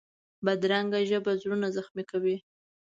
بدرنګه ژبه زړونه زخمي کوي